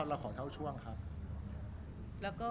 รูปนั้นผมก็เป็นคนถ่ายเองเคลียร์กับเรา